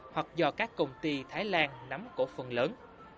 hoặc do các công ty thái lan nắm cổ phần lớn